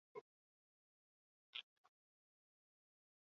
Musa bakoitzaren izenak inspiratzen duen arteari egiten dio erreferentzia.